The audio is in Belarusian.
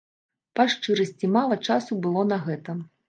Па шчырасці, мала часу было на гэта.